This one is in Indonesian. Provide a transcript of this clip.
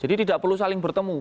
jadi tidak perlu saling bertemu